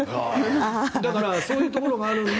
だからそういうところがあるので。